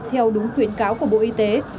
theo đúng khuyến cáo của bộ y tế